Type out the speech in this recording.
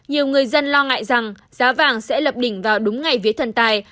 nhiều người dân lo ngại rằng giá vàng sẽ lập đỉnh vào đúng ngày vía thần tài